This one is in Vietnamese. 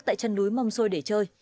tại chân núi mâm xôi để chơi